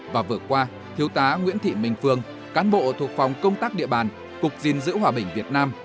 và vừa qua thiếu tá nguyễn thị minh phương cán bộ thuộc phòng công tác địa bàn cục diện giữ hòa bình việt nam